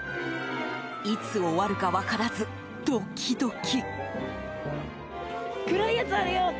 いつ終わるか分からずドキドキ。